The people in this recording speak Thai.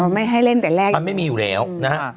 ไม่ให้เล่นแต่แรกมันไม่มีอยู่แล้วนะฮะ